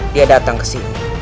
dia datang kesini